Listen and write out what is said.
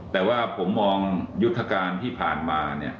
แต่ว่าผมมองยุทธการที่ผ่านมา